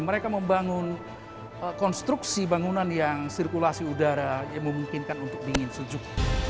mereka membangun konstruksi bangunan yang sirkulasi udara yang memungkinkan untuk dingin sejuk